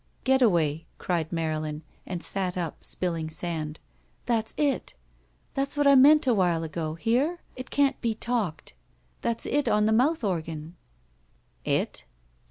'Getaway," cried Marylin, and sat up, spilling sand, ''that's it! That's what I meant a while ago. Hear? It can't be talked. That's it on the mouth organ!" "It?"